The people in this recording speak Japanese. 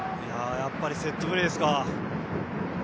やっぱりセットプレーですか。